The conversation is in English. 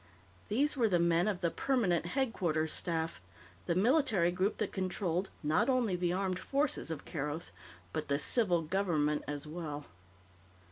These were the men of the Permanent Headquarters Staff the military group that controlled, not only the armed forces of Keroth, but the civil government as well.